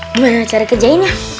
gimana cara ngerjainnya